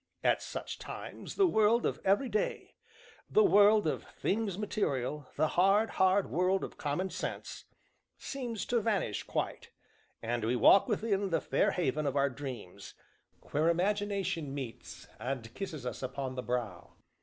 At such times the world of every day the world of Things Material, the hard, hard world of Common sense seems to vanish quite, and we walk within the fair haven of our dreams, where Imagination meets, and kisses us upon the brow.